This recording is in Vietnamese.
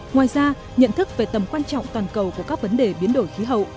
ngoài ra nhận thức về tầm quan trọng toàn cầu của các vấn đề biến đổi khí hậu